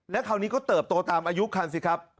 แล้วคราวนี้ก็เติบโตตามอายุคันสิครับ